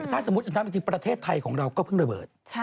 ถ้าสมมุติบางทีประเทศไทยของเราก็เพิ่งระเบิด